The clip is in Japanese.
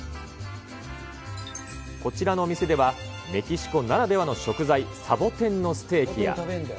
こちらのお店では、メキシコならではの食材、サボテンのステーキや。